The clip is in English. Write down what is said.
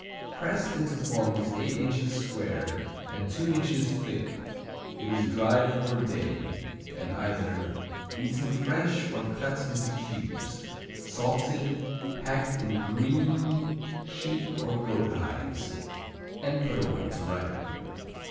Pressed into forms eight inches square and two inches thick, it is dried for a day and either eaten fresh or cut into cubes, salted, packed in green sheep or goat hides, and put away to ripen.